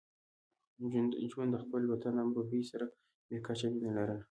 جون د خپل وطن امروهې سره بې کچه مینه لرله